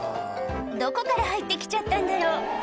どこから入って来ちゃったんだろう？